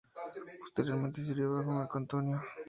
Posteriormente sirvió bajo Marco Antonio.